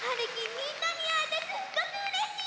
みんなにあえてすっごくうれしい！